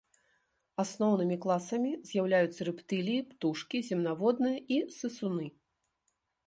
Асноўнымі класамі з'яўляюцца рэптыліі, птушкі, земнаводныя і сысуны.